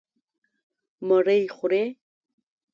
_مړۍ خورې؟